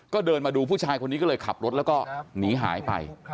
ก็เดินมาดูผู้ชายคนนี้ก็เลยขับรถแล้วก็หนีหายไป